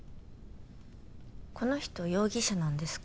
この人容疑者なんですか？